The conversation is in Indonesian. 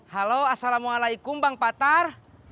halo assalamualaikum bang patar